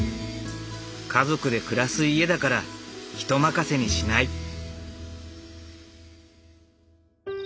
家族で暮らす家だから人任せにしない。